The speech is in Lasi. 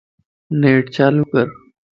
نيٽ چالو ڪر